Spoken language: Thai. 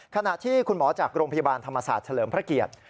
ขณะที่คุณหมอจากโรงพยาบาลธรรมศาสตร์เฉลิมพระเกียรติ